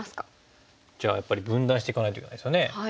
じゃあやっぱり分断していかないといけないですよね。